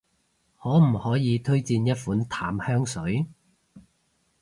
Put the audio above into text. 可唔可以推薦一款淡香水？